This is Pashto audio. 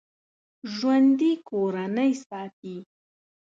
ژوندي کورنۍ ساتي